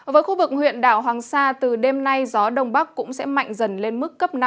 với khu vực huyện đảo hoàng sa từ đêm nay gió đông bắc cũng sẽ mạnh dần lên mức cấp năm